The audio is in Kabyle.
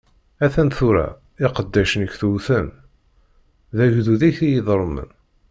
A-t-an tura, iqeddacen-ik ttewten, d agdud-ik i yeḍelmen.